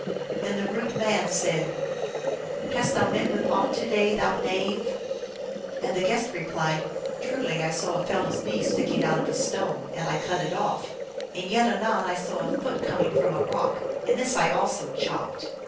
Then the rude man said, " Hast thou met with aught to day, thou knave ?" And the guest replied, " Truly I saw a fellow s knee sticking out of a stone, and I cut it off. And yet, anon, I saw a foot coming from a rock, and this I also chopped.